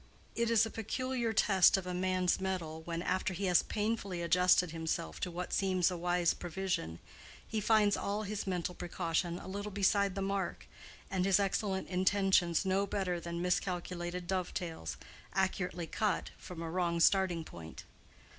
It is a peculiar test of a man's mettle when, after he has painfully adjusted himself to what seems a wise provision, he finds all his mental precaution a little beside the mark, and his excellent intentions no better than miscalculated dovetails, accurately cut from a wrong starting point.